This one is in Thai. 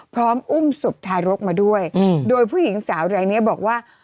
อุ้มศพทารกมาด้วยโดยผู้หญิงสาวรายนี้บอกว่า